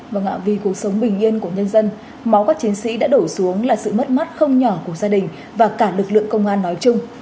và ngạo vì cuộc sống bình yên của nhân dân máu các chiến sĩ đã đổ xuống là sự mất mát không nhỏ của gia đình và cả lực lượng công an nói chung